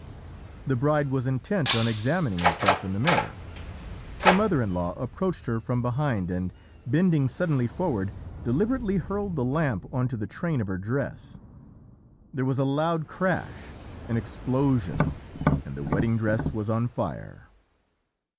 The bride was intent on examining herself in the mirror; her mother in law approached her from behind, and, bending suddenly forward, deliberately hurled the lamp on to the train of her dress. There was a loud crash an explosion and the wedding dress was on fire.